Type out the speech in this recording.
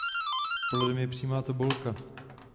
Plodem je přímá tobolka.